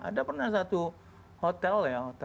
ada pernah satu hotel